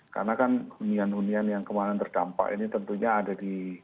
karena kan hunian hunian yang kemarin terdampak ini tentunya ada di